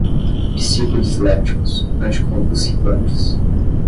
psicodislépticos, anticonvulsivantes